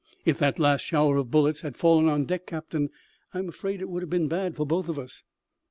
If that last shower of bullets had fallen on deck, captain, I am afraid it would have been bad for both of us."